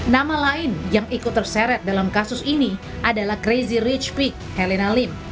nama lain yang ikut terseret dalam kasus ini adalah crazy richpick helena lim